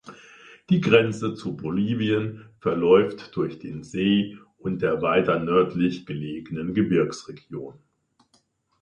Die Grenze zu Bolivien verläuft durch den See und der weiter nördlich gelegenen Gebirgsregion.